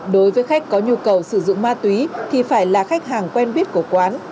đối với khách có nhu cầu sử dụng ma túy thì phải là khách hàng quen biết của quán